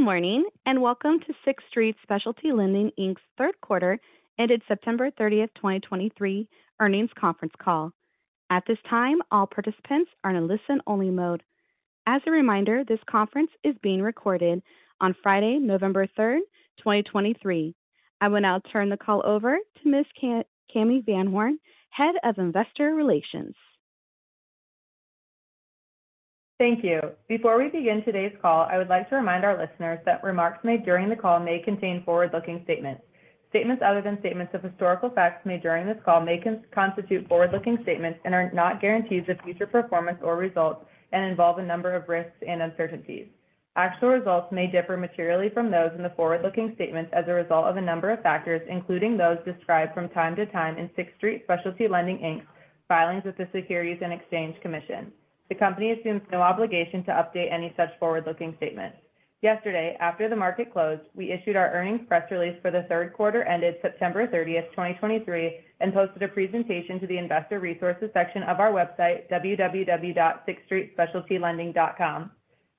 Good morning, and welcome to Sixth Street Specialty Lending, Inc's third quarter, ended September 30th, 2023, earnings conference call. At this time, all participants are in a listen-only mode. As a reminder, this conference is being recorded on Friday, November 3rd, 2023. I will now turn the call over to Ms. Cami VanHorn, Head of Investor Relations. Thank you. Before we begin today's call, I would like to remind our listeners that remarks made during the call may contain forward-looking statements. Statements other than statements of historical facts made during this call may constitute forward-looking statements and are not guarantees of future performance or results and involve a number of risks and uncertainties. Actual results may differ materially from those in the forward-looking statements as a result of a number of factors, including those described from time to time in Sixth Street Specialty Lending, Inc's filings with the Securities and Exchange Commission. The company assumes no obligation to update any such forward-looking statements. Yesterday, after the market closed, we issued our earnings press release for the third quarter ended September 30th, 2023, and posted a presentation to the Investor Resources section of our website, www.sixthstreetspecialtylending.com.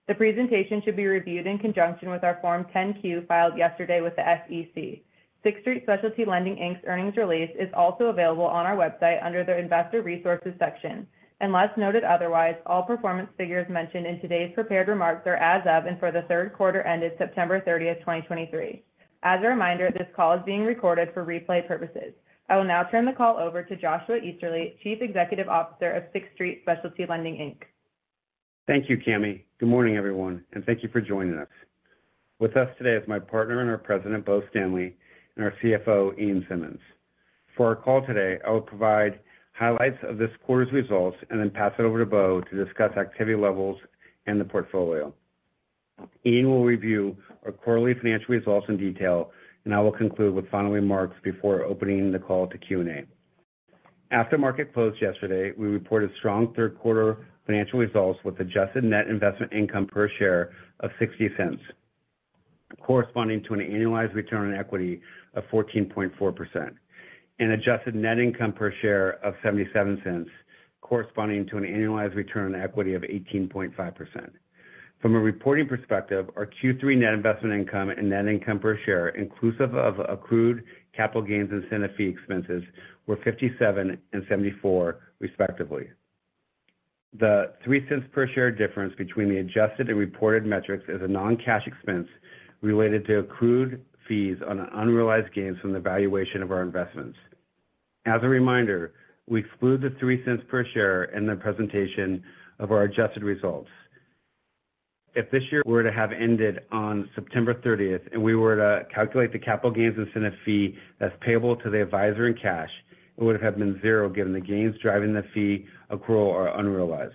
The presentation should be reviewed in conjunction with our Form 10-Q filed yesterday with the SEC. Sixth Street Specialty Lending, Inc's earnings release is also available on our website under the Investor Resources section. Unless noted otherwise, all performance figures mentioned in today's prepared remarks are as of and for the third quarter ended September 30th, 2023. As a reminder, this call is being recorded for replay purposes. I will now turn the call over to Joshua Easterly, Chief Executive Officer of Sixth Street Specialty Lending, Inc. Thank you, Cami. Good morning, everyone, and thank you for joining us. With us today is my partner and our President, Bo Stanley, and our CFO, Ian Simmonds. For our call today, I will provide highlights of this quarter's results and then pass it over to Bo to discuss activity levels and the portfolio. Ian will review our quarterly financial results in detail, and I will conclude with final remarks before opening the call to Q&A. After market closed yesterday, we reported strong third quarter financial results with adjusted net investment income per share of $0.60, corresponding to an annualized return on equity of 14.4%, and adjusted net income per share of $0.77, corresponding to an annualized return on equity of 18.5%. From a reporting perspective, our Q3 net investment income and net income per share, inclusive of accrued capital gains incentive fee expenses, were $0.57 and $0.74, respectively. The $0.03 per share difference between the adjusted and reported metrics is a non-cash expense related to accrued fees on unrealized gains from the valuation of our investments. As a reminder, we exclude the $0.03 per share in the presentation of our adjusted results. If this year were to have ended on September 30th, and we were to calculate the capital gains incentive fee that's payable to the advisor in cash, it would have been zero, given the gains driving the fee accrual are unrealized.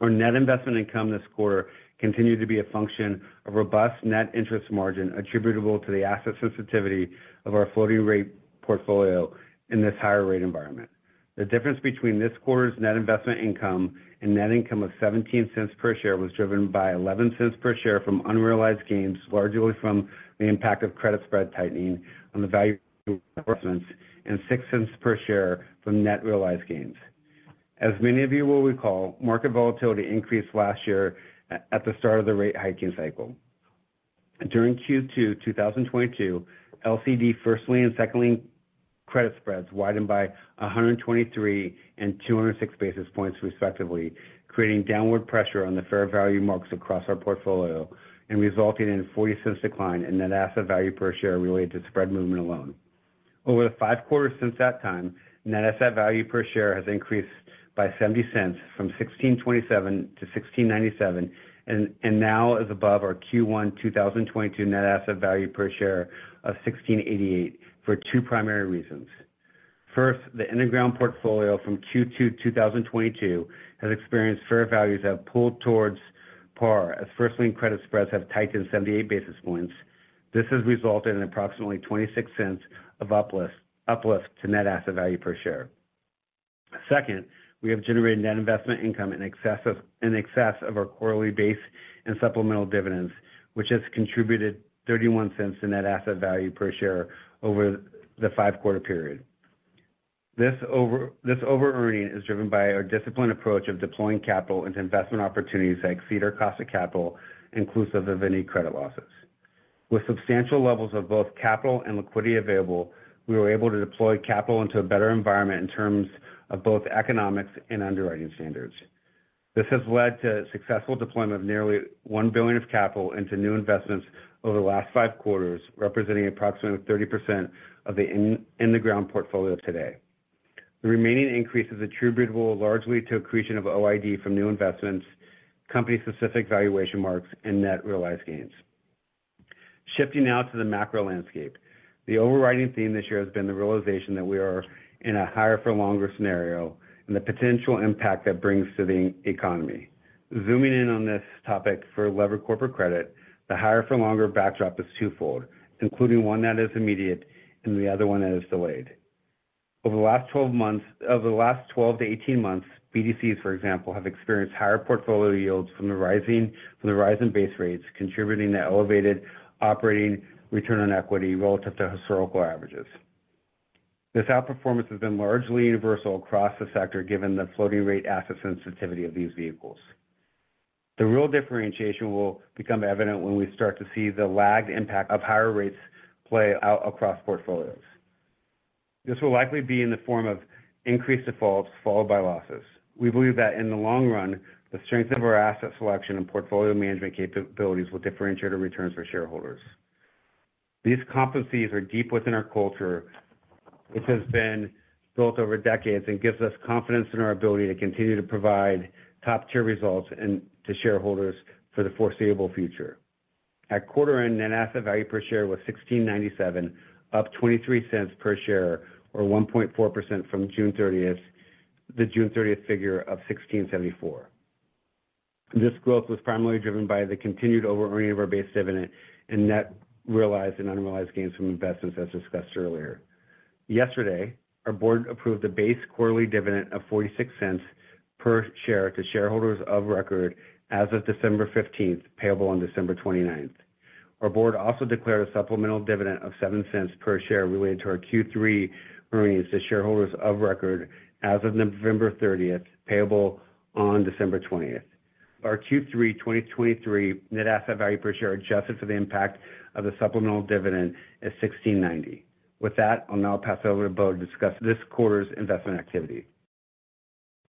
Our net investment income this quarter continued to be a function of robust net interest margin, attributable to the asset sensitivity of our floating rate portfolio in this higher rate environment. The difference between this quarter's net investment income and net income of $0.17 per share was driven by $0.11 per share from unrealized gains, largely from the impact of credit spread tightening on the value of investments, and $0.06 per share from net realized gains. As many of you will recall, market volatility increased last year at the start of the rate hiking cycle. During Q2 2022, LCD first lien and second lien credit spreads widened by 123 and 206 basis points, respectively, creating downward pressure on the fair value marks across our portfolio and resulting in a $0.40 decline in net asset value per share related to spread movement alone. Over the five quarters since that time, net asset value per share has increased by $0.70, from 16.27 to 16.97, and now is above our Q1 2022 net asset value per share of 16.88 for two primary reasons: First, the integrated portfolio from Q2 2022 has experienced fair values that have pulled towards par, as first lien credit spreads have tightened 78 basis points. This has resulted in approximately $0.26 of uplift to net asset value per share. Second, we have generated net investment income in excess of our quarterly base and supplemental dividends, which has contributed $0.31 in net asset value per share over the five-quarter period. This over-earning is driven by our disciplined approach of deploying capital into investment opportunities that exceed our cost of capital, inclusive of any credit losses. With substantial levels of both capital and liquidity available, we were able to deploy capital into a better environment in terms of both economics and underwriting standards. This has led to successful deployment of nearly $1 billion of capital into new investments over the last five quarters, representing approximately 30% of the in the ground portfolio today. The remaining increase is attributable largely to accretion of OID from new investments, company-specific valuation marks, and net realized gains. Shifting now to the macro landscape. The overriding theme this year has been the realization that we are in a higher-for-longer scenario and the potential impact that brings to the economy. Zooming in on this topic for levered corporate credit, the higher-for-longer backdrop is twofold, including one that is immediate and the other one that is delayed. Over the last 12 to 18 months, BDCs, for example, have experienced higher portfolio yields from the rise in base rates, contributing to elevated operating return on equity relative to historical averages. This outperformance has been largely universal across the sector, given the floating rate asset sensitivity of these vehicles. The real differentiation will become evident when we start to see the lagged impact of higher rates play out across portfolios. This will likely be in the form of increased defaults, followed by losses. We believe that in the long run, the strength of our asset selection and portfolio management capabilities will differentiate the returns for shareholders. These competencies are deep within our culture, which has been built over decades and gives us confidence in our ability to continue to provide top-tier results and to shareholders for the foreseeable future. At quarter end, net asset value per share was $16.97, up $0.23 per share, or 1.4% from June 30th, the June 30th figure of $16.74. This growth was primarily driven by the continued overearning of our base dividend and net realized and unrealized gains from investments, as discussed earlier. Yesterday, our board approved a base quarterly dividend of $0.46 per share to shareholders of record as of December 15th, payable on December 29th. Our board also declared a supplemental dividend of $0.07 per share related to our Q3 earnings to shareholders of record as of November 30th, payable on December 20th. Our Q3 2023 net asset value per share, adjusted for the impact of the supplemental dividend, is $16.90. With that, I'll now pass it over to Bo to discuss this quarter's investment activity.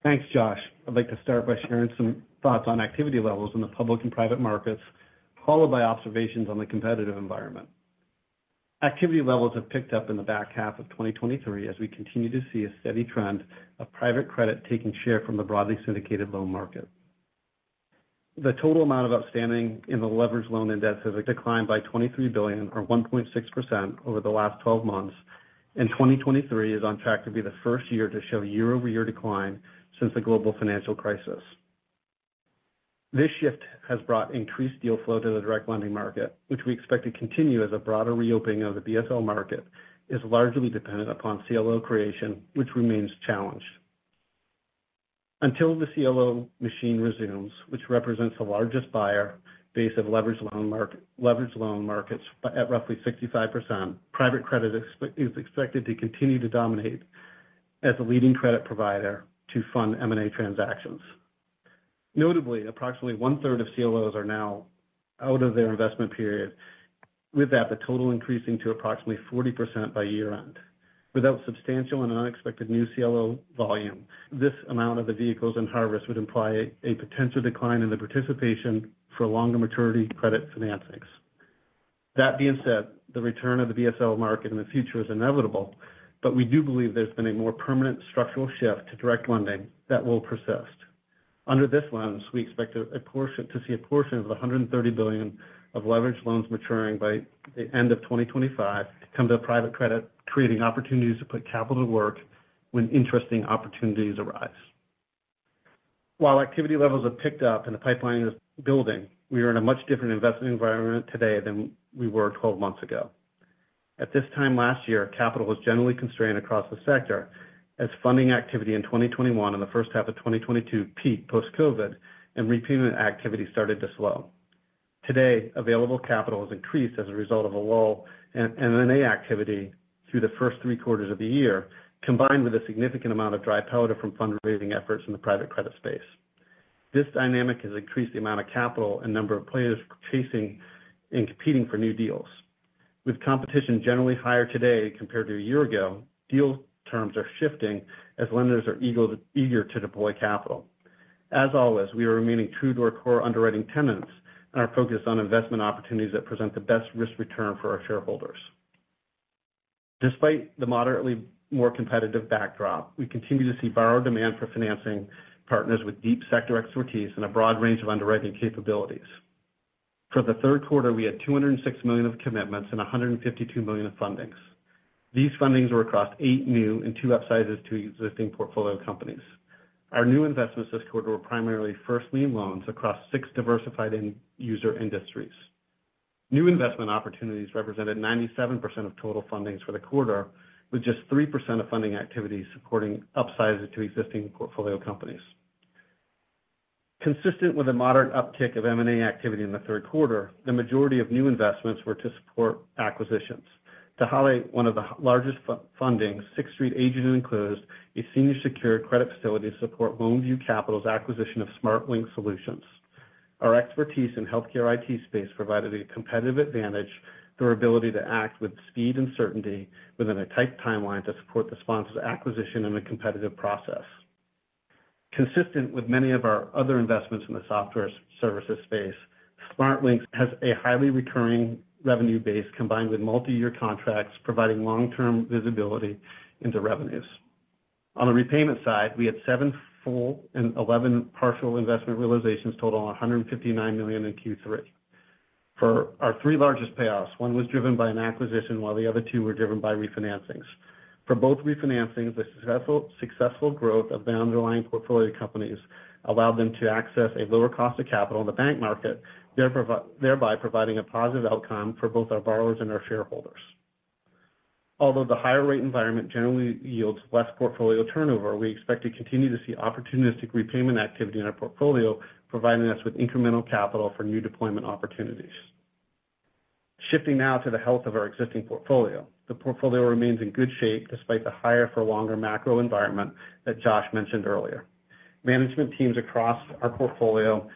Thanks, Josh. I'd like to start by sharing some thoughts on activity levels in the public and private markets, followed by observations on the competitive environment. Activity levels have picked up in the back half of 2023, as we continue to see a steady trend of private credit taking share from the broadly syndicated loan market. The total amount of outstanding in the leveraged loan and debt has declined by $23 billion, or 1.6%, over the last 12 months, and 2023 is on track to be the first year to show year-over-year decline since the global financial crisis. This shift has brought increased deal flow to the direct lending market, which we expect to continue as a broader reopening of the BSL market is largely dependent upon CLO creation, which remains challenged. Until the CLO machine resumes, which represents the largest buyer base of leveraged loan market, leveraged loan markets at roughly 65%, private credit ex- is expected to continue to dominate as the leading credit provider to fund M&A transactions. Notably, approximately one-third of CLOs are now out of their investment period, with that, the total increasing to approximately 40% by year-end. Without substantial and unexpected new CLO volume, this amount of the vehicles and harvests would imply a potential decline in the participation for longer maturity credit financings. That being said, the return of the BSL market in the future is inevitable, but we do believe there's been a more permanent structural shift to direct lending that will persist. Under this lens, we expect to see a portion of the $130 billion of leveraged loans maturing by the end of 2025 come to private credit, creating opportunities to put capital to work when interesting opportunities arise. While activity levels have picked up and the pipeline is building, we are in a much different investment environment today than we were 12 months ago. At this time last year, capital was generally constrained across the sector, as funding activity in 2021 and the first half of 2022 peaked post-COVID and repayment activity started to slow. Today, available capital has increased as a result of a lull in M&A activity through the first three quarters of the year, combined with a significant amount of dry powder from fundraising efforts in the private credit space. This dynamic has increased the amount of capital and number of players chasing and competing for new deals. With competition generally higher today compared to a year ago, deal terms are shifting as lenders are eager to deploy capital. As always, we are remaining true to our core underwriting tenets and are focused on investment opportunities that present the best risk-return for our shareholders. Despite the moderately more competitive backdrop, we continue to see borrower demand for financing partners with deep sector expertise and a broad range of underwriting capabilities. For the third quarter, we had $206 million of commitments and $152 million of fundings. These fundings were across eight new and two upsizes to existing portfolio companies. Our new investments this quarter were primarily first lien loans across six diversified end-user industries. New investment opportunities represented 97% of total fundings for the quarter, with just 3% of funding activities supporting upsizes to existing portfolio companies. Consistent with a moderate uptick of M&A activity in the third quarter, the majority of new investments were to support acquisitions. To highlight one of the largest funding, Sixth Street agented and closed a senior secured credit facility to support Lone View Capital's acquisition of SmartLinx Solutions. Our expertise in healthcare IT space provided a competitive advantage through our ability to act with speed and certainty within a tight timeline to support the sponsor's acquisition in a competitive process. Consistent with many of our other investments in the software services space, SmartLinx has a highly recurring revenue base, combined with multiyear contracts, providing long-term visibility into revenues. On the repayment side, we had seven full and 11 partial investment realizations, totaling $159 million in Q3. For our three largest payoffs, one was driven by an acquisition, while the other two were driven by refinancings. For both refinancings, the successful, successful growth of the underlying portfolio companies allowed them to access a lower cost of capital in the bank market, thereby providing a positive outcome for both our borrowers and our shareholders. Although the higher rate environment generally yields less portfolio turnover, we expect to continue to see opportunistic repayment activity in our portfolio, providing us with incremental capital for new deployment opportunities. Shifting now to the health of our existing portfolio. The portfolio remains in good shape despite the higher for longer macro environment that Josh mentioned earlier. Management teams across our portfolio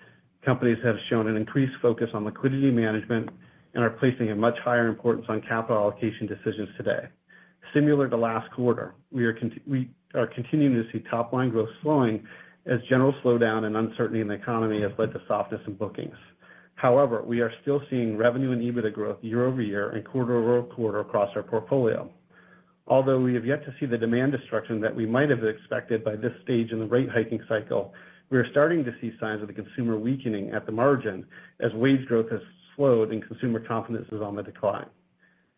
companies have shown an increased focus on liquidity management and are placing a much higher importance on capital allocation decisions today. Similar to last quarter, we are continuing to see top line growth slowing as general slowdown and uncertainty in the economy has led to softness in bookings. However, we are still seeing revenue and EBITDA growth year-over-year and quarter-over-quarter across our portfolio. Although we have yet to see the demand destruction that we might have expected by this stage in the rate hiking cycle, we are starting to see signs of the consumer weakening at the margin as wage growth has slowed and consumer confidence is on the decline.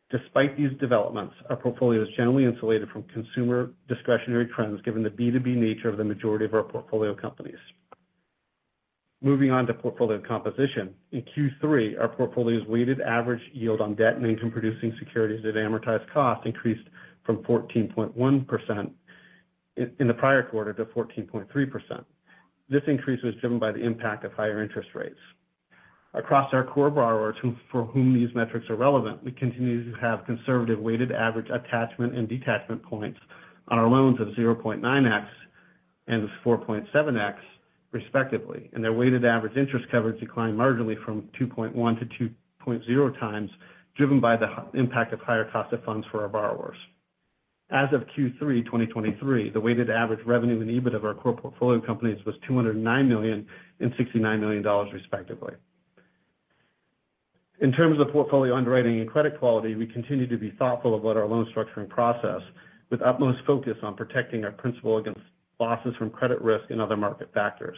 Despite these developments, our portfolio is generally insulated from consumer discretionary trends, given the B2B nature of the majority of our portfolio companies. Moving on to portfolio composition. In Q3, our portfolio's weighted average yield on debt and income producing securities at amortized cost increased from 14.1% in the prior quarter to 14.3%. This increase was driven by the impact of higher interest rates. Across our core borrowers, who for whom these metrics are relevant, we continue to have conservative weighted average attachment and detachment points on our loans of 0.9x and 4.7x, respectively, and their weighted average interest coverage declined marginally from 2.1 to 2.0 times, driven by the impact of higher cost of funds for our borrowers. As of Q3 2023, the weighted average revenue and EBIT of our core portfolio companies was $209 million and $69 million, respectively. In terms of portfolio underwriting and credit quality, we continue to be thoughtful about our loan structuring process, with utmost focus on protecting our principal against losses from credit risk and other market factors.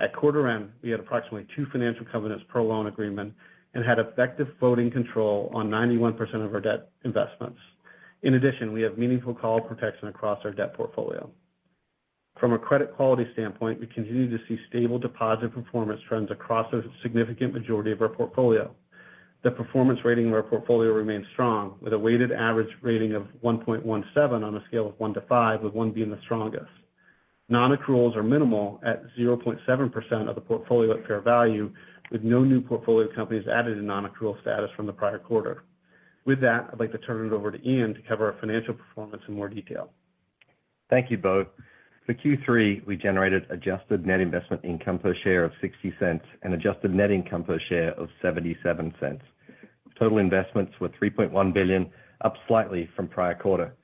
At quarter end, we had approximately two financial covenants per loan agreement and had effective voting control on 91% of our debt investments. In addition, we have meaningful call protection across our debt portfolio. From a credit quality standpoint, we continue to see stable deposit performance trends across a significant majority of our portfolio. The performance rating of our portfolio remains strong, with a weighted average rating of 1.17 on a scale of one to five, with one being the strongest. Non-accruals are minimal at 0.7% of the portfolio at fair value, with no new portfolio companies added in non-accrual status from the prior quarter. With that, I'd like to turn it over to Ian to cover our financial performance in more detail. Thank you, both. For Q3, we generated adjusted net investment income per share of $0.60 and adjusted net income per share of $0.77. Total investments were $3.1 billion, up slightly from prior quarter.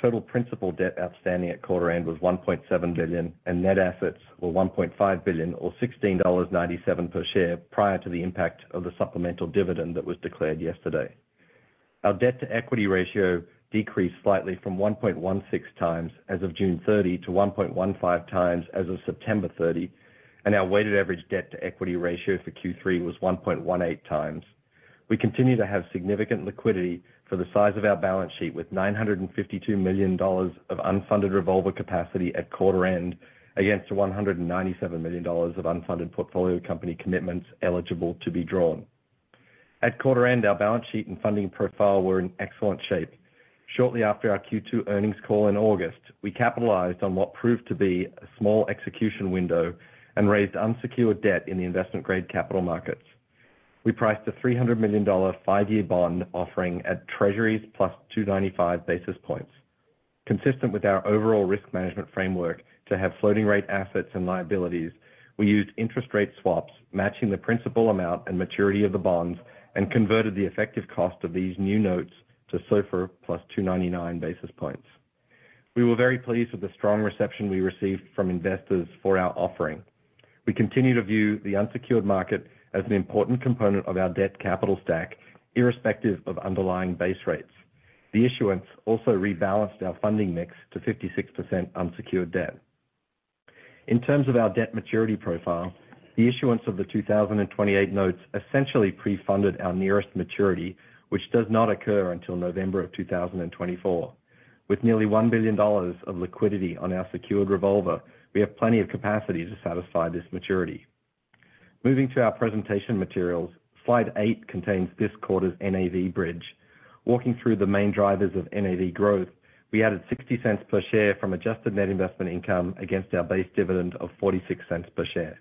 Total principal debt outstanding at quarter end was $1.7 billion, and net assets were $1.5 billion, or $16.97 per share, prior to the impact of the supplemental dividend that was declared yesterday. Our debt-to-equity ratio decreased slightly from 1.16x as of June 30 to 1.15x as of September 30, and our weighted average debt-to-equity ratio for Q3 was 1.18x. We continue to have significant liquidity for the size of our balance sheet, with $952 million of unfunded revolver capacity at quarter end against $197 million of unfunded portfolio company commitments eligible to be drawn. At quarter end, our balance sheet and funding profile were in excellent shape. Shortly after our Q2 earnings call in August, we capitalized on what proved to be a small execution window and raised unsecured debt in the investment grade capital markets. We priced a $300 million five-year bond, offering at Treasuries plus 295 basis points. Consistent with our overall risk management framework to have floating rate assets and liabilities, we used interest rate swaps, matching the principal amount and maturity of the bonds, and converted the effective cost of these new notes to SOFR plus 299 basis points. We were very pleased with the strong reception we received from investors for our offering. We continue to view the unsecured market as an important component of our debt capital stack, irrespective of underlying base rates. The issuance also rebalanced our funding mix to 56% unsecured debt. In terms of our debt maturity profile, the issuance of the 2028 notes essentially pre-funded our nearest maturity, which does not occur until November 2024. With nearly $1 billion of liquidity on our secured revolver, we have plenty of capacity to satisfy this maturity. Moving to our presentation materials, slide eight contains this quarter's NAV bridge. Walking through the main drivers of NAV growth, we added $0.60 per share from adjusted net investment income against our base dividend of $0.46 per share.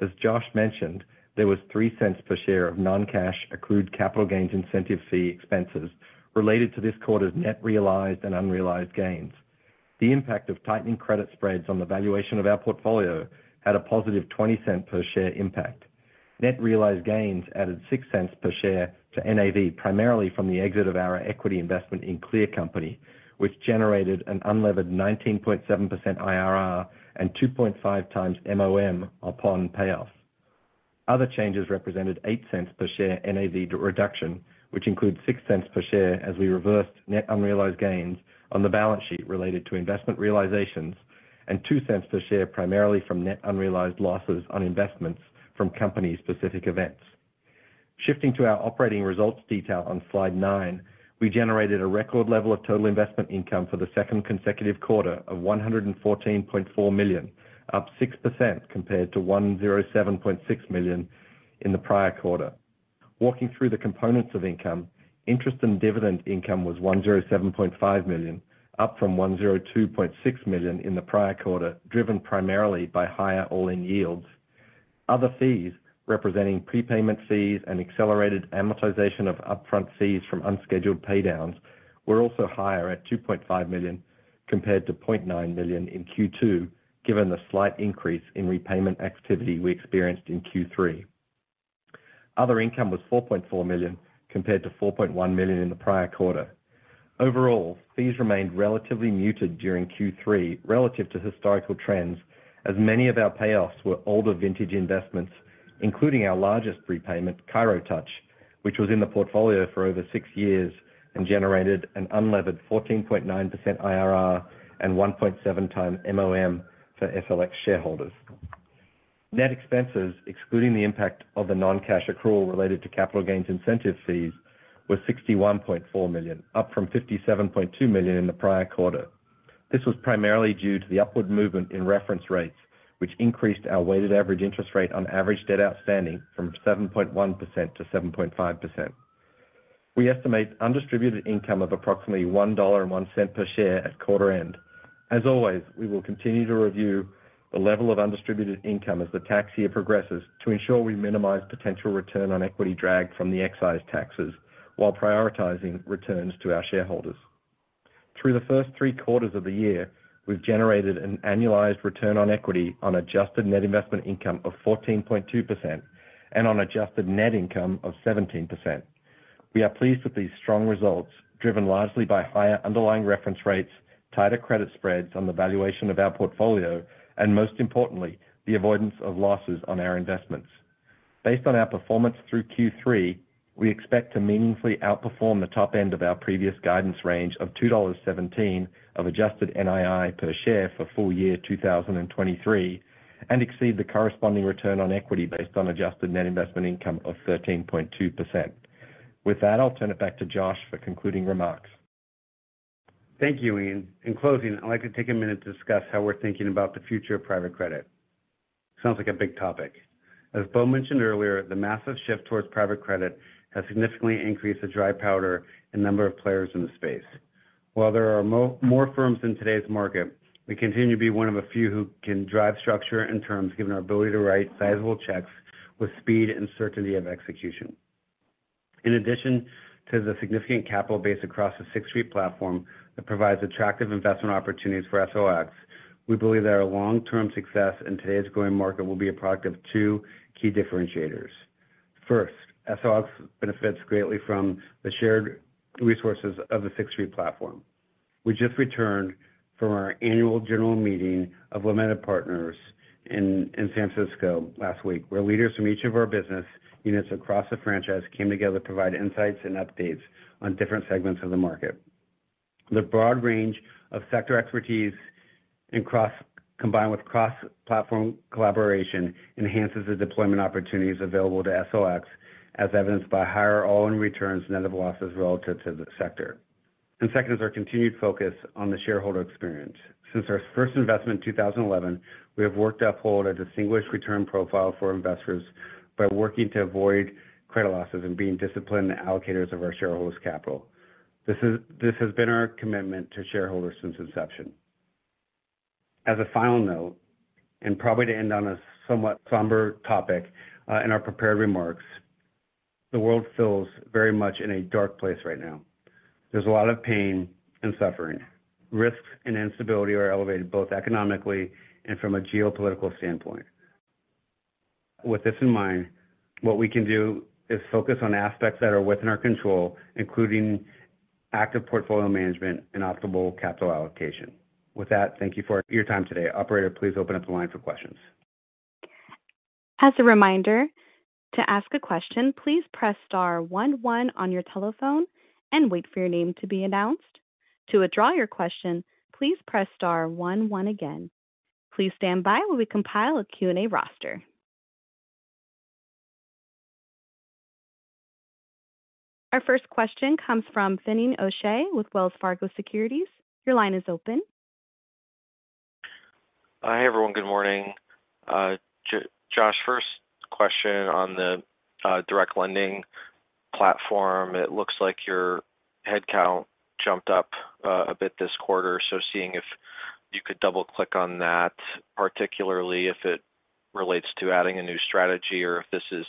As Josh mentioned, there was $0.03 per share of non-cash accrued capital gains incentive fee expenses related to this quarter's net realized and unrealized gains. The impact of tightening credit spreads on the valuation of our portfolio had a positive $0.20 per share impact. Net realized gains added $0.06 per share to NAV, primarily from the exit of our equity investment in ClearCompany, which generated an unlevered 19.7% IRR and 2.5x MOM upon payoff. Other changes represented $0.08 per share NAV reduction, which includes $0.06 per share as we reversed net unrealized gains on the balance sheet related to investment realizations, and $0.02 per share, primarily from net unrealized losses on investments from company-specific events. Shifting to our operating results detail on slide nine, we generated a record level of total investment income for the second consecutive quarter of $114.4 million, up 6% compared to $107.6 million in the prior quarter. Walking through the components of income, interest and dividend income was $107.5 million, up from $102.6 million in the prior quarter, driven primarily by higher all-in yields.... Other fees, representing prepayment fees and accelerated amortization of upfront fees from unscheduled pay downs, were also higher at $2.5 million compared to $0.9 million in Q2, given the slight increase in repayment activity we experienced in Q3. Other income was $4.4 million, compared to $4.1 million in the prior quarter. Overall, fees remained relatively muted during Q3 relative to historical trends, as many of our payoffs were older vintage investments, including our largest prepayment, ChiroTouch, which was in the portfolio for over six years and generated an unlevered 14.9% IRR and 1.7x MOM for TSLX shareholders. Net expenses, excluding the impact of the non-cash accrual related to capital gains incentive fees, were $61.4 million, up from $57.2 million in the prior quarter. This was primarily due to the upward movement in reference rates, which increased our weighted average interest rate on average debt outstanding from 7.1%-7.5%. We estimate undistributed income of approximately $1.01 per share at quarter end. As always, we will continue to review the level of undistributed income as the tax year progresses to ensure we minimize potential return on equity drag from the excise taxes while prioritizing returns to our shareholders. Through the first three quarters of the year, we've generated an annualized return on equity on adjusted net investment income of 14.2% and on adjusted net income of 17%. We are pleased with these strong results, driven largely by higher underlying reference rates, tighter credit spreads on the valuation of our portfolio, and most importantly, the avoidance of losses on our investments. Based on our performance through Q3, we expect to meaningfully outperform the top end of our previous guidance range of $2.17 of adjusted NII per share for full year 2023, and exceed the corresponding return on equity based on adjusted net investment income of 13.2%. With that, I'll turn it back to Josh for concluding remarks. Thank you, Ian. In closing, I'd like to take a minute to discuss how we're thinking about the future of private credit. Sounds like a big topic. As Bo mentioned earlier, the massive shift towards private credit has significantly increased the dry powder and number of players in the space. While there are more firms in today's market, we continue to be one of the few who can drive structure and terms, given our ability to write sizable checks with speed and certainty of execution. In addition to the significant capital base across the Sixth Street platform that provides attractive investment opportunities for SOX, we believe that our long-term success in today's growing market will be a product of two key differentiators. First, SOX benefits greatly from the shared resources of the Sixth Street platform. We just returned from our annual general meeting of limited partners in San Francisco last week, where leaders from each of our business units across the franchise came together to provide insights and updates on different segments of the market. The broad range of sector expertise combined with cross-platform collaboration enhances the deployment opportunities available to TSLX, as evidenced by higher all-in returns net of losses relative to the sector. And second is our continued focus on the shareholder experience. Since our first investment in 2011, we have worked to uphold a distinguished return profile for investors by working to avoid credit losses and being disciplined allocators of our shareholders' capital. This has been our commitment to shareholders since inception. As a final note, and probably to end on a somewhat somber topic, in our prepared remarks, the world feels very much in a dark place right now. There's a lot of pain and suffering. Risks and instability are elevated, both economically and from a geopolitical standpoint. With this in mind, what we can do is focus on aspects that are within our control, including active portfolio management and optimal capital allocation. With that, thank you for your time today. Operator, please open up the line for questions. As a reminder, to ask a question, please press star one one on your telephone and wait for your name to be announced. To withdraw your question, please press star one one again. Please stand by while we compile a Q&A roster. Our first question comes from Finian O'Shea with Wells Fargo Securities. Your line is open. Hi, everyone. Good morning. Josh, first question on the direct lending platform. It looks like your headcount jumped up a bit this quarter, so seeing if you could double-click on that, particularly if it relates to adding a new strategy or if this is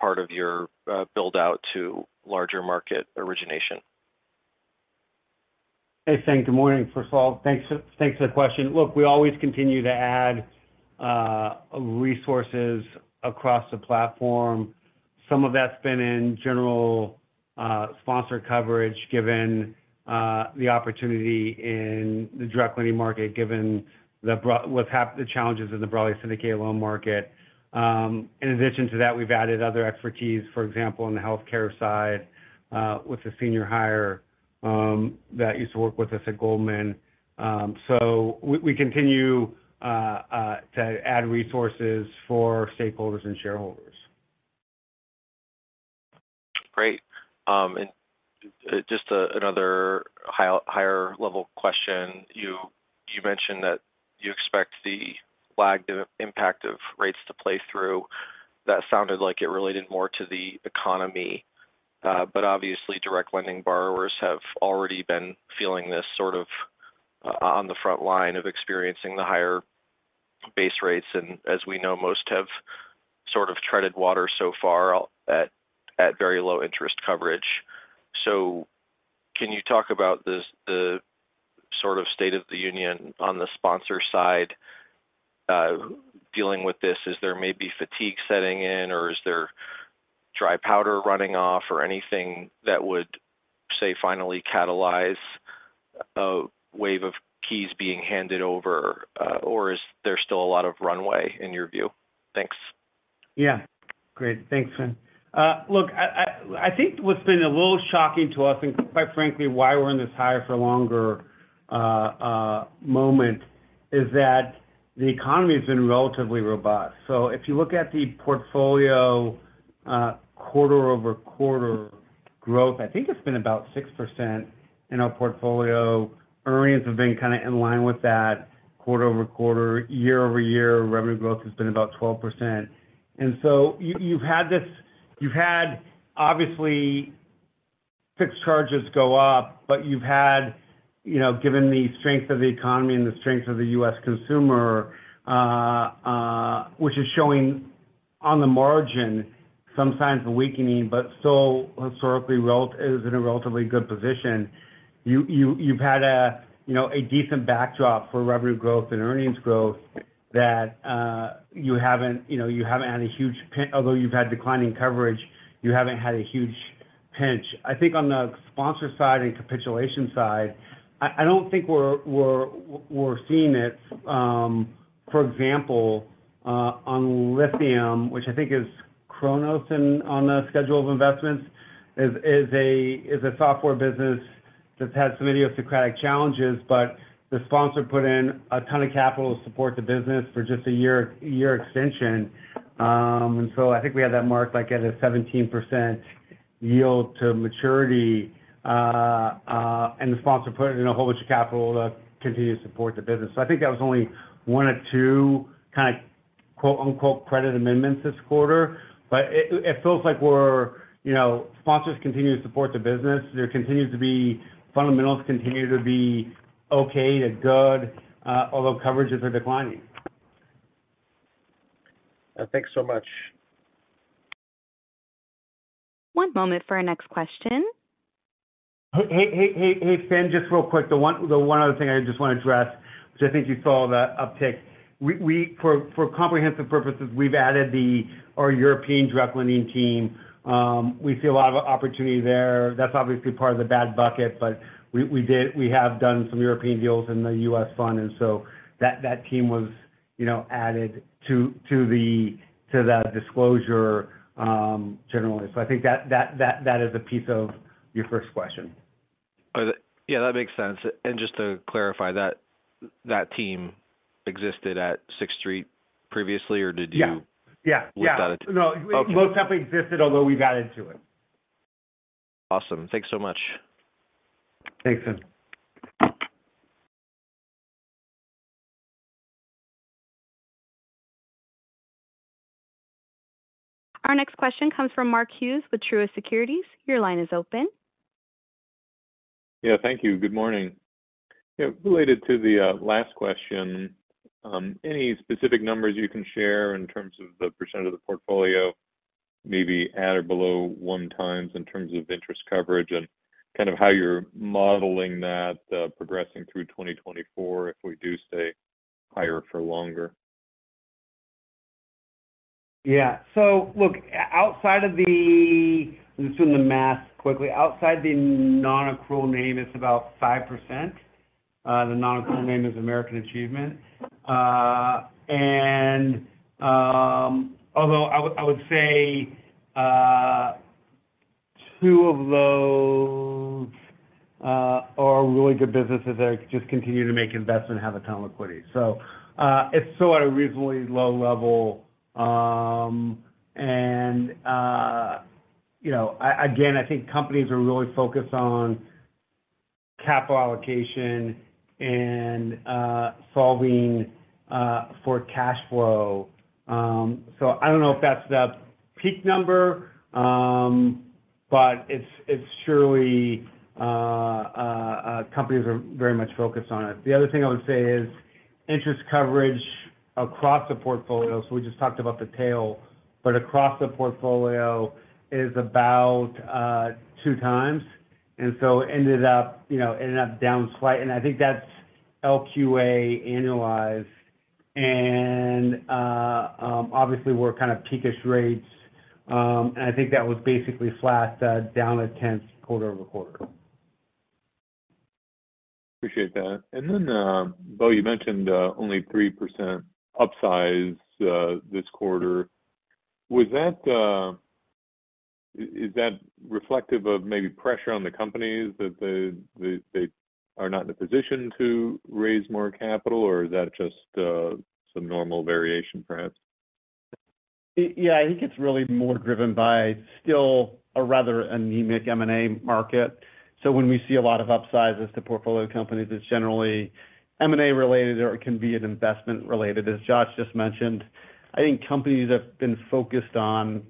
part of your build-out to larger market origination. Hey, Finian. Good morning, first of all. Thanks, thanks for the question. Look, we always continue to add resources across the platform. Some of that's been in general sponsor coverage, given the opportunity in the direct lending market, given the challenges in the broadly syndicated loan market. In addition to that, we've added other expertise, for example, on the healthcare side, with a senior hire that used to work with us at Goldman. So we continue to add resources for stakeholders and shareholders. Great. And another higher level question. You mentioned that you expect the lagged impact of rates to play through. That sounded like it related more to the economy, but obviously, direct lending borrowers have already been feeling this on the front line of experiencing the higher base rates, and as we know, most have sort of treaded water so far at very low interest coverage. So can you talk about the sort of state of the union on the sponsor side, dealing with this? Is there may be fatigue setting in, or is there dry powder running off, or anything that would, say, finally catalyze a wave of keys being handed over, or is there still a lot of runway, in your view? Thanks. Yeah. Great. Thanks, Finn. Look, I think what's been a little shocking to us, and quite frankly, why we're in this higher for longer moment, is that the economy has been relatively robust. So if you look at the portfolio, quarter-over-quarter growth, I think it's been about 6% in our portfolio. Earnings have been kind of in line with that quarter-over-quarter, year-over-year, revenue growth has been about 12%. And so you've had this—you've had, obviously, fixed charges go up, but you've had, you know, given the strength of the economy and the strength of the U.S. consumer, which is showing on the margin, some signs of weakening, but still historically is in a relatively good position. You've had a, you know, a decent backdrop for revenue growth and earnings growth that you haven't, you know, you haven't had a huge pinch—although you've had declining coverage, you haven't had a huge pinch. I think on the sponsor side and capitulation side, I don't think we're seeing it, for example, on Lithium, which I think is Khoros, in the schedule of investments, is a software business that's had some idiosyncratic challenges, but the sponsor put in a ton of capital to support the business for just a year, a year extension. And so I think we had that marked, like, at a 17% yield to maturity, and the sponsor put in a whole bunch of capital to continue to support the business. So I think that was only one or two kind of quote-unquote credit amendments this quarter. But it feels like we're, you know, sponsors continue to support the business. There continues to be... fundamentals continue to be okay to good, although coverages are declining. Thanks so much. One moment for our next question. Hey, hey, hey, hey, Finn, just real quick, the one, the one other thing I just want to address, which I think you saw the uptick. We, for comprehensive purposes, we've added our European direct lending team. We see a lot of opportunity there. That's obviously part of the bad bucket, but we have done some European deals in the US fund, and so that team was, you know, added to that disclosure, generally. So I think that is a piece of your first question. Yeah, that makes sense. Just to clarify, that team existed at Sixth Street previously, or did you- Yeah, yeah, yeah. Without it? No. Okay. It most definitely existed, although we've added to it. Awesome. Thanks so much. Thanks, Finn. Our next question comes from Mark Hughes with Truist Securities. Your line is open. Yeah, thank you. Good morning. Yeah, related to the last question, any specific numbers you can share in terms of the percentage of the portfolio, maybe at or below one times in terms of interest coverage and kind of how you're modeling that, progressing through 2024, if we do stay higher for longer? Yeah. So look, outside of the... let me see the math quickly. Outside the nonaccrual name, it's about 5%. The nonaccrual name is American Achievement. And although I would say two of those are really good businesses that just continue to make investments and have a ton of liquidity. So it's still at a reasonably low level. And you know, again, I think companies are really focused on capital allocation and solving for cash flow. So I don't know if that's the peak number, but it's surely companies are very much focused on it. The other thing I would say is, interest coverage across the portfolio, so we just talked about the tail, but across the portfolio is about 2x, and so ended up, you know, ended up down. And I think that's LQA annualized, and, obviously, we're kind of peak-ish rates, and I think that was basically flat, down 0.1 quarter-over-quarter. Appreciate that. And then, Bo, you mentioned only 3% upsize this quarter. Was that... is that reflective of maybe pressure on the companies that they are not in a position to raise more capital, or is that just some normal variation, perhaps? Yeah, I think it's really more driven by still a rather anemic M&A market. So when we see a lot of upsizes to portfolio companies, it's generally M&A related, or it can be an investment related. As Josh just mentioned, I think companies have been focused on- ...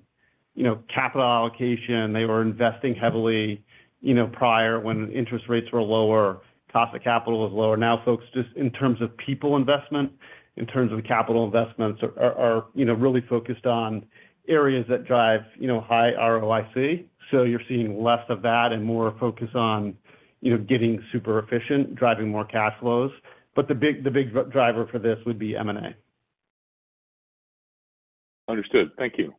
you know, capital allocation, they were investing heavily, you know, prior when interest rates were lower, cost of capital was lower. Now, folks, just in terms of people investment, in terms of capital investments are, you know, really focused on areas that drive, you know, high ROIC. So you're seeing less of that and more focus on, you know, getting super efficient, driving more cash flows. But the big driver for this would be M&A. Understood. Thank you.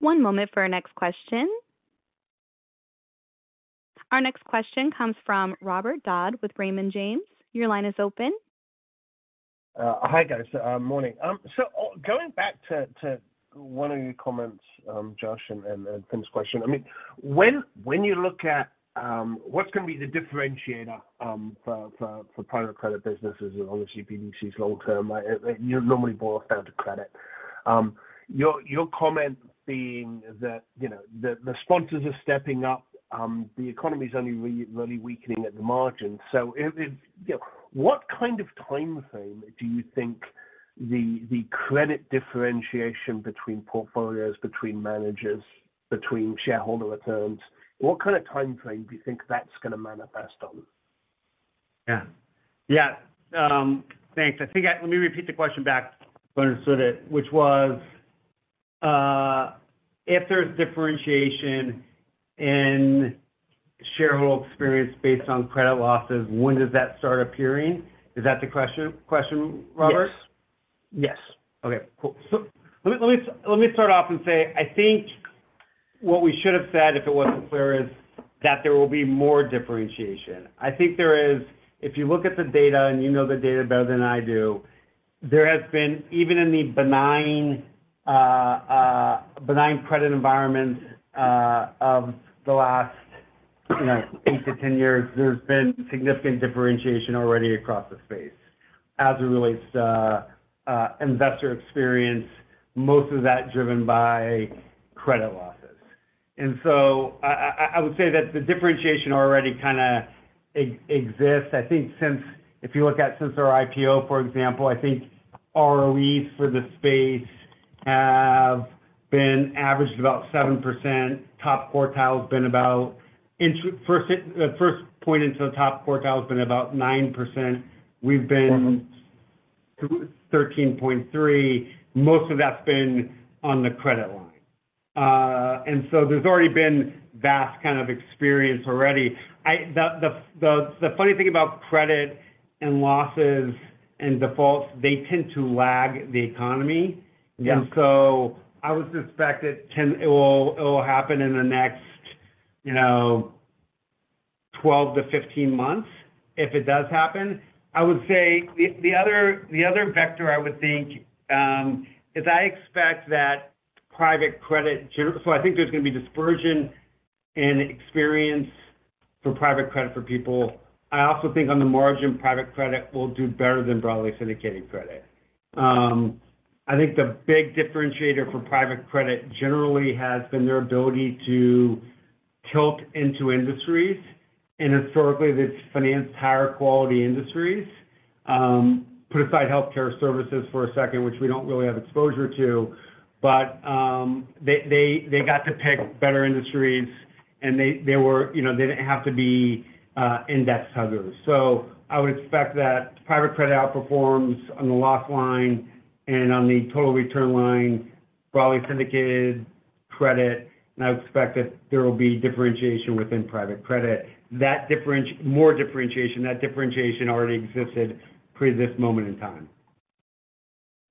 One moment for our next question. Our next question comes from Robert Dodd with Raymond James. Your line is open. Hi, guys, morning. So going back to one of your comments, Josh, and Tim's question, I mean, when you look at what's gonna be the differentiator for private credit businesses and obviously BDCs long term, you normally boil down to credit. Your comment being that, you know, the sponsors are stepping up, the economy is only really weakening at the margin. So if you know, what kind of timeframe do you think the credit differentiation between portfolios, between managers, between shareholder returns, what kind of timeframe do you think that's gonna manifest on? Yeah. Yeah. Thanks. I think, let me repeat the question back, so I understood it, which was, if there's differentiation in shareholder experience based on credit losses, when does that start appearing? Is that the question, Robert? Yes. Yes. Okay, cool. So let me start off and say, I think what we should have said, if it wasn't clear, is that there will be more differentiation. I think there is. If you look at the data, and you know the data better than I do, there has been, even in the benign, benign credit environment of the last, you know, 8-10 years, there's been significant differentiation already across the space as it relates to investor experience, most of that driven by credit losses. And so I would say that the differentiation already kinda exists. I think since, if you look at since our IPO, for example, I think ROEs for the space have been averaged about 7%. Top quartile has been about first point into the top quartile has been about 9%. We've been- Mm-hmm. 13.3. Most of that's been on the credit line. And so there's already been vast kind of experience already. The funny thing about credit and losses and defaults, they tend to lag the economy. Yeah. So I would suspect it will, it will happen in the next, you know, 12-15 months, if it does happen. I would say the other vector, I would think, is I expect that private credit, so I think there's gonna be dispersion in experience for private credit for people. I also think on the margin, private credit will do better than broadly syndicated credit. I think the big differentiator for private credit generally has been their ability to tilt into industries, and historically, that's financed higher quality industries. Put aside healthcare services for a second, which we don't really have exposure to, but they got to pick better industries, and they were, you know, they didn't have to be index huggers. So I would expect that private credit outperforms on the loss line and on the total return line, broadly syndicated credit, and I would expect that there will be differentiation within private credit. That differentiation, more differentiation, that differentiation already existed pre this moment in time.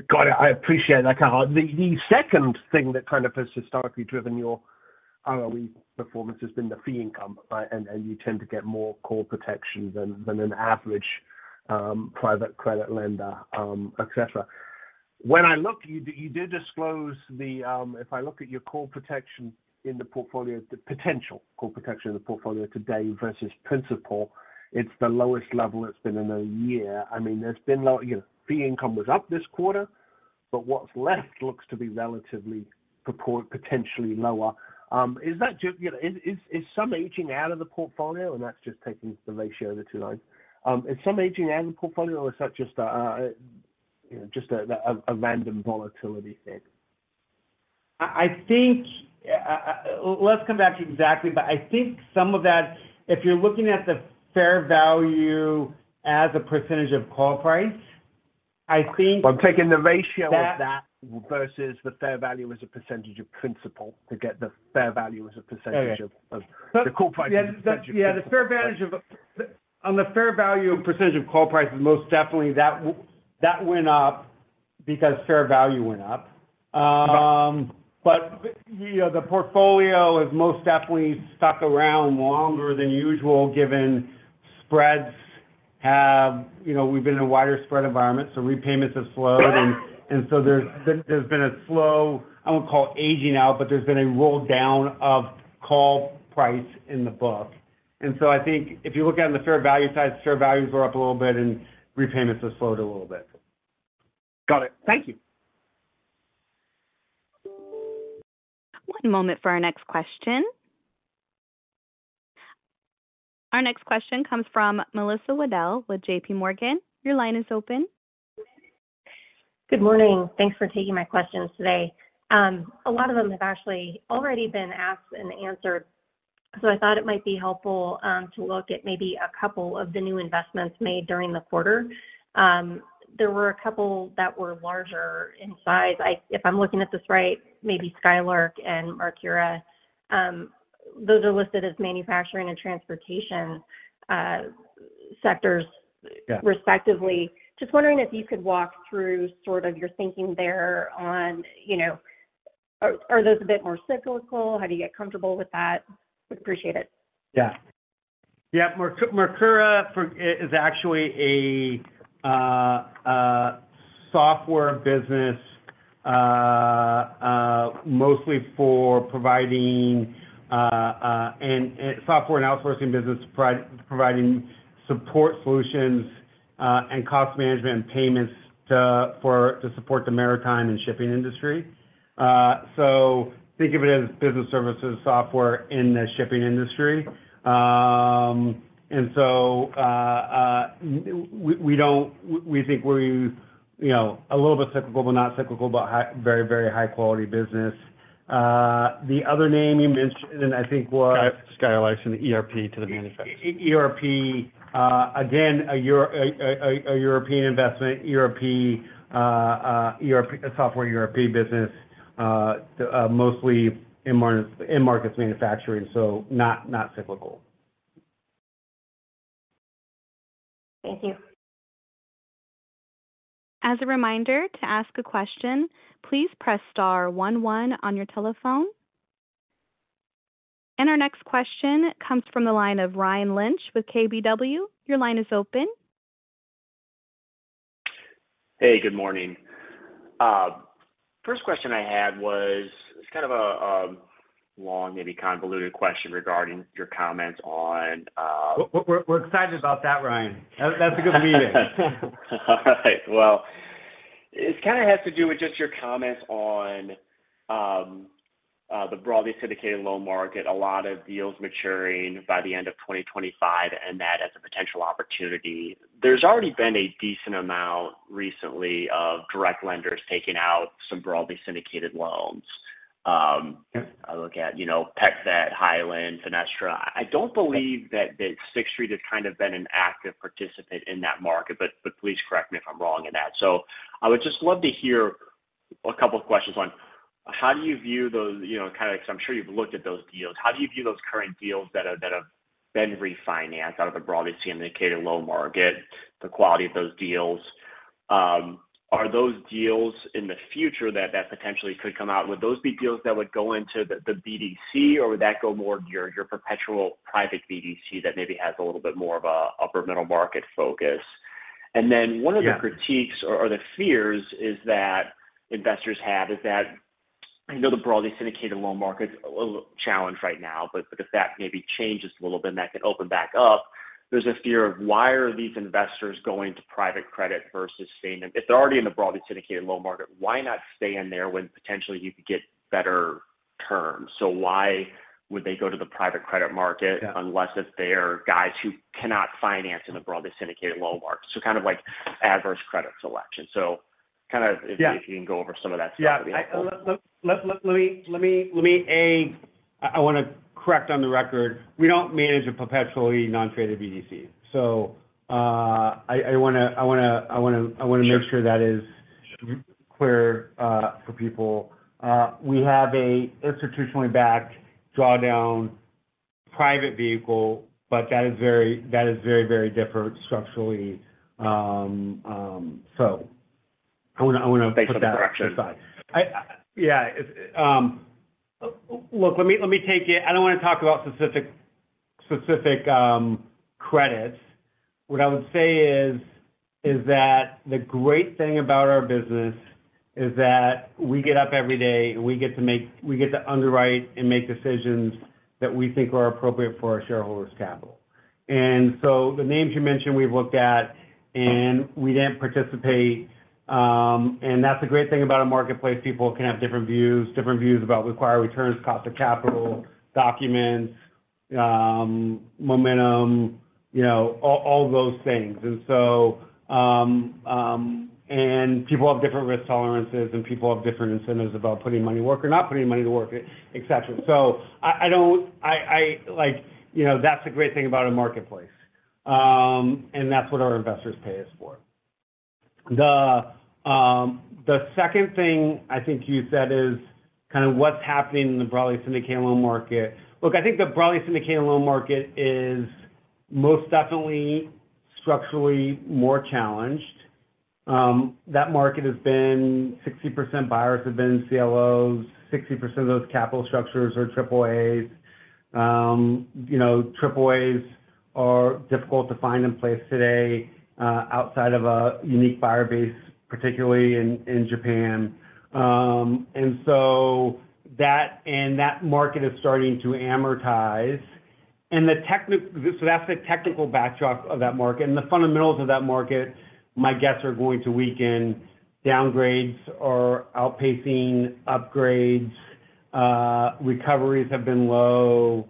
Got it. I appreciate that. The second thing that kind of has historically driven your ROE performance has been the fee income, right? And you tend to get more call protection than an average private credit lender, et cetera. When I look, you did disclose the, if I look at your call protection in the portfolio, the potential call protection in the portfolio today versus principal, it's the lowest level it's been in a year. I mean, there's been low, you know, fee income was up this quarter, but what's left looks to be relatively potentially lower. Is that just, you know, is some aging out of the portfolio, and that's just taking the ratio of the two lines? Is some aging out of the portfolio, or is that just a, you know, just a random volatility thing? I think, let's come back to you exactly, but I think some of that, if you're looking at the fair value as a percentage of call price, I think- I'm taking the ratio of that- -that- versus the fair value as a percentage of principal to get the fair value as a percentage of- Okay. the call price. Yeah, the fair value of the... On the fair value, percentage of call price is most definitely that that went up because fair value went up. But, you know, the portfolio is most definitely stuck around longer than usual, given spreads have, you know, we've been in a wider spread environment, so repayments have slowed. And so there's been a slow, I won't call it aging out, but there's been a roll down of call price in the book. And so I think if you look at the fair value side, fair values were up a little bit and repayments have slowed a little bit. Got it. Thank you. One moment for our next question. Our next question comes from Melissa Wedel with JPMorgan. Your line is open. Good morning. Thanks for taking my questions today. A lot of them have actually already been asked and answered, so I thought it might be helpful to look at maybe a couple of the new investments made during the quarter. There were a couple that were larger in size. If I'm looking at this right, maybe Skylark and Marcura. Those are listed as manufacturing and transportation sectors. Yeah... respectively. Just wondering if you could walk through sort of your thinking there on, you know, are those a bit more cyclical? How do you get comfortable with that? Would appreciate it. Yeah. Yeah, Mercure for is actually a software business mostly for providing and software and outsourcing business providing support solutions and cost management and payments to for to support the maritime and shipping industry. So think of it as business services software in the shipping industry. And so we think we're, you know, a little bit cyclical, but not cyclical, but high, very, very high quality business. The other name you mentioned, I think, was- Skylark's an ERP to the manufacturer. ERP, again, a European investment, ERP, a software ERP business, mostly in manufacturing markets, so not cyclical. Thank you. As a reminder, to ask a question, please press star one one on your telephone. Our next question comes from the line of Ryan Lynch with KBW. Your line is open. Hey, good morning. First question I had was, it's kind of a long, maybe convoluted question regarding your comments on, We're excited about that, Ryan. That's a good meeting. All right. Well, it kind of has to do with just your comments on the broadly syndicated loan market, a lot of deals maturing by the end of 2025, and that as a potential opportunity. There's already been a decent amount recently of direct lenders taking out some broadly syndicated loans. Yeah. I look at, you know, PetVet, Hyland, Finastra. I don't believe that Sixth Street has kind of been an active participant in that market, but please correct me if I'm wrong in that. So I would just love to hear a couple of questions on, how do you view those... You know, kind of, because I'm sure you've looked at those deals. How do you view those current deals that have been refinanced out of the broadly syndicated loan market, the quality of those deals? Are those deals in the future that potentially could come out, would those be deals that would go into the BDC, or would that go more to your perpetual private BDC that maybe has a little bit more of a upper middle market focus? Yeah. Then one of the critiques or, or the fears is that investors have, is that I know the broadly syndicated loan market is a little challenged right now, but, but if that maybe changes a little bit, and that can open back up, there's a fear of why are these investors going to private credit versus staying in? If they're already in the broadly syndicated loan market, why not stay in there when potentially you could get better terms? So why would they go to the private credit market- Yeah... unless if they're guys who cannot finance in the broadly syndicated loan market? So kind of like adverse credit selection. So kind of- Yeah... if you can go over some of that stuff. Yeah. Let me, let me, let me. I want to correct on the record, we don't manage a perpetually non-traded BDC. So, I wanna make sure that is clear, for people. We have an institutionally backed drawdown private vehicle, but that is very, very different structurally. So I wanna put that aside. Thanks for the correction. Yeah, look, let me take it. I don't want to talk about specific credits. What I would say is that the great thing about our business is that we get up every day, and we get to underwrite and make decisions that we think are appropriate for our shareholders' capital. And so the names you mentioned, we've looked at, and we didn't participate, and that's a great thing about a marketplace. People can have different views about required returns, cost of capital, documents, momentum, you know, all those things. And so, and people have different risk tolerances, and people have different incentives about putting money to work or not putting money to work, et cetera. So I don't... I like, you know, that's the great thing about a marketplace. And that's what our investors pay us for. The second thing I think you said is kind of what's happening in the broadly syndicated loan market. Look, I think the broadly syndicated loan market is most definitely structurally more challenged. That market has been 60% buyers have been CLOs, 60% of those capital structures are triple-A's. You know, triple-A's are difficult to find in place today outside of a unique buyer base, particularly in Japan. And so that, and that market is starting to amortize. So that's the technical backdrop of that market. And the fundamentals of that market, I guess, are going to weaken. Downgrades are outpacing upgrades. Recoveries have been low.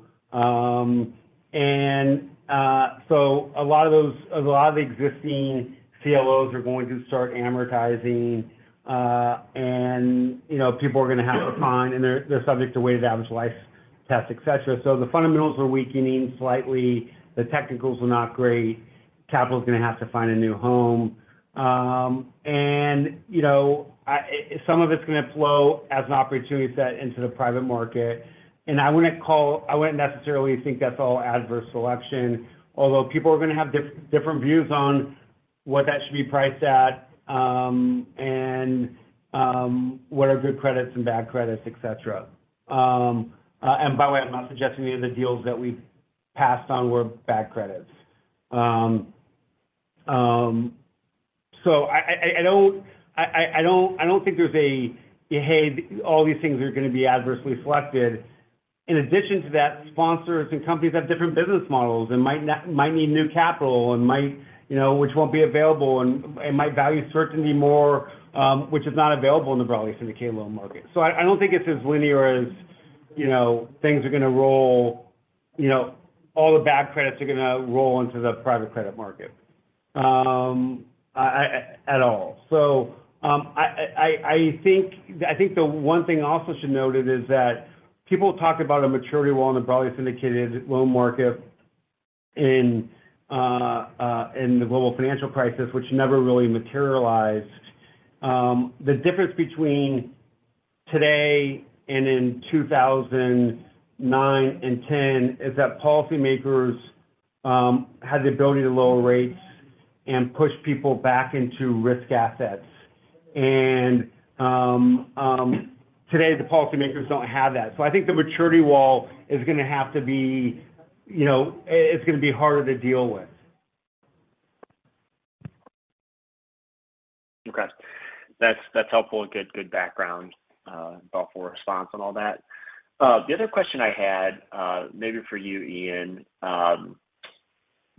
So a lot of those, a lot of the existing CLOs are going to start amortizing, and, you know, people are gonna have to find, and they're, they're subject to weighted average life test, et cetera. So the fundamentals are weakening slightly. The technicals are not great. Capital is gonna have to find a new home. And, you know, some of it's gonna flow as an opportunity set into the private market, and I wouldn't call, I wouldn't necessarily think that's all adverse selection, although people are gonna have different views on what that should be priced at, and what are good credits and bad credits, et cetera. And by the way, I'm not suggesting any of the deals that we've passed on were bad credits. So I don't think there's a hey, all these things are gonna be adversely selected. In addition to that, sponsors and companies have different business models and might need new capital and might, you know, which won't be available, and might value certainty more, which is not available in the broadly syndicated loan market. So I don't think it's as linear as, you know, things are gonna roll. You know, all the bad credits are gonna roll into the private credit market at all. So I think the one thing I also should note it is that people talk about a maturity wall in the broadly syndicated loan market in the global financial crisis, which never really materialized. The difference between today and in 2009 and 2010 is that policymakers had the ability to lower rates and push people back into risk assets. Today, the policymakers don't have that. So I think the maturity wall is gonna have to be, you know, it's gonna be harder to deal with. Okay. That's, that's helpful. Good, good background, thoughtful response and all that. The other question I had, maybe for you, Ian.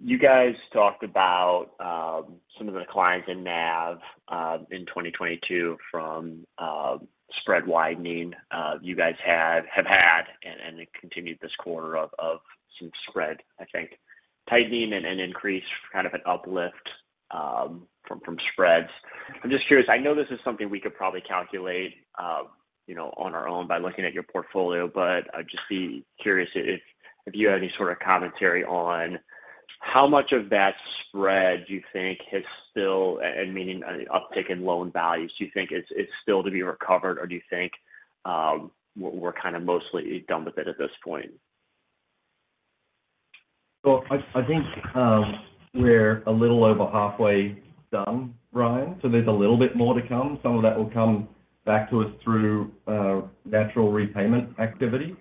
You guys talked about some of the declines in NAV in 2022 from spread widening. You guys had, have had, and it continued this quarter of some spread, I think, tightening and an increase, kind of an uplift, from spreads. I'm just curious. I know this is something we could probably calculate, you know, on our own by looking at your portfolio, but I'd just be curious if you have any sort of commentary on how much of that spread do you think has still, and meaning an uptick in loan values, do you think it's still to be recovered, or do you think we're kind of mostly done with it at this point? Well, I think we're a little over halfway done, Ryan, so there's a little bit more to come. Some of that will come back to us through natural repayment activity.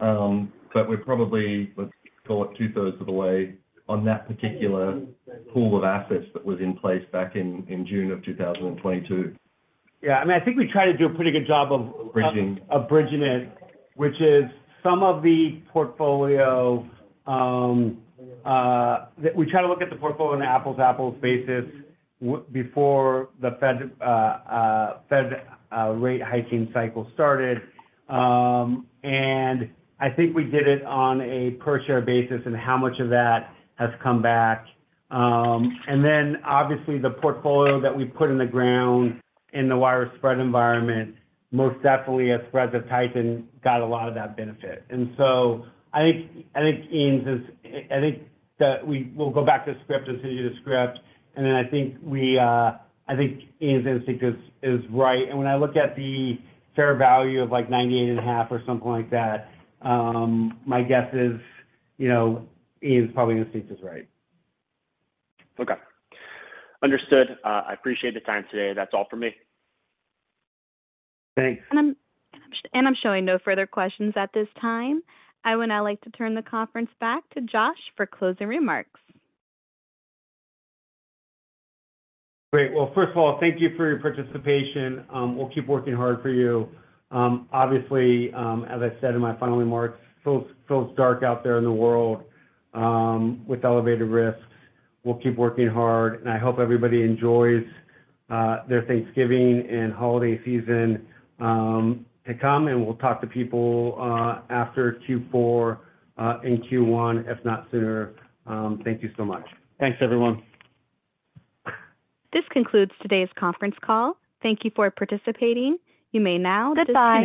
But we're probably, let's call it, two-thirds of the way on that particular pool of assets that was in place back in June of 2022. Yeah, I mean, I think we try to do a pretty good job of- Bridging. of bridging it, which is some of the portfolio, that we try to look at the portfolio on an apples-to-apples basis before the Fed rate hiking cycle started. And I think we did it on a per-share basis and how much of that has come back. And then, obviously, the portfolio that we put in the ground in the wider spread environment, most definitely as spreads have tightened, got a lot of that benefit. And so I think we'll go back to the script and send you the script, and then I think Ian's instinct is right. When I look at the fair value of, like, 98.5 or something like that, my guess is, you know, Ian's probably instinct is right. Okay. Understood. I appreciate the time today. That's all for me. Thanks. I'm showing no further questions at this time. I would now like to turn the conference back to Josh for closing remarks. Great. Well, first of all, thank you for your participation. We'll keep working hard for you. Obviously, as I said in my final remarks, feels dark out there in the world, with elevated risks. We'll keep working hard, and I hope everybody enjoys their Thanksgiving and holiday season to come, and we'll talk to people after Q4 and Q1, if not sooner. Thank you so much. Thanks, everyone. This concludes today's conference call. Thank you for participating. You may now disconnect. Goodbye.